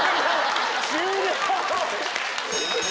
終了！